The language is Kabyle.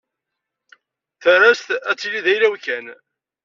Tarrazt ad tili d ayla-w kan.